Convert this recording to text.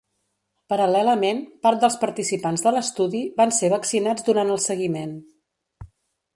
Paral·lelament, part dels participants de l’estudi van ser vaccinats durant el seguiment.